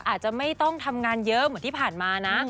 อาจจะไม่ต้องทำงานเยอะเหมือนที่ผ่านมานะ